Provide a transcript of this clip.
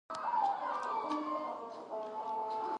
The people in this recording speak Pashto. هغه په خپل کار کې ډېره بوخته معلومېدله.